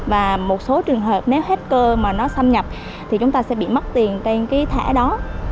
và một số trường hợp nếu hết cơ mà nó xâm nhập thì chúng ta sẽ bị mất tiền trên cái thẻ đó